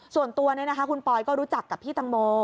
ส่วนตัวคุณปอยก็รู้จักกับพี่ตังโม